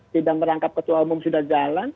tidak merangkap ketua umum sudah jalan